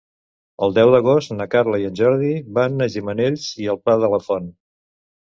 El deu d'agost na Carla i en Jordi van a Gimenells i el Pla de la Font.